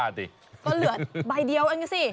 เหลือใบเดียวอย่างนี้สิ